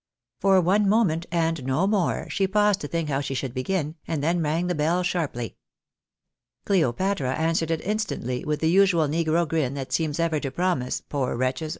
For one moment, and no more, she paused to think how she should begin, and then rang the bell sharply. Cleopatra answered it instantly, with the usual negro grin that seems ever to promise (poor wretches